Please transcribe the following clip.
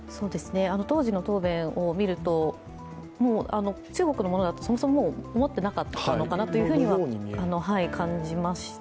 当時の答弁を見ると、中国のものだとそもそも思っていなかったのかなと感じました。